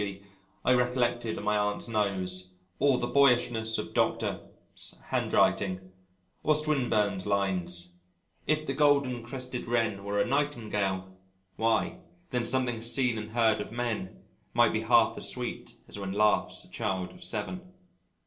g._ I recollected on my Aunt's nose, or the boyishness of Dr. 's handwriting, or Swinburne's lines: "If the golden crested wren Were a nightingale why, then Something seen and heard of men Might be half as sweet as when Laughs a child of seven."